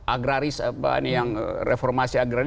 agrares apa ini yang reformasi agra